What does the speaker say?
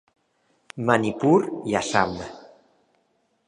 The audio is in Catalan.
Manipur i Assam.